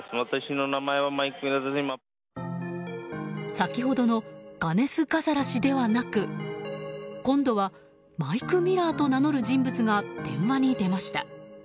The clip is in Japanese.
先ほどのガネスガザラ氏ではなく今度はマイク・ミラーと名乗る人物が電話に出ました。